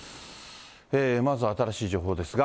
まずは新しい情報ですが。